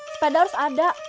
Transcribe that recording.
sepeda harus ada